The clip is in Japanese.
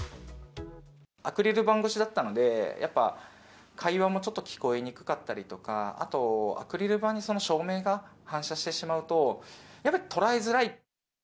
アクリル板越しだったので、やっぱ会話もちょっと聞こえにくかったりとか、あとアクリル板に照明が反射してしまうと、やっぱり捉えづらい。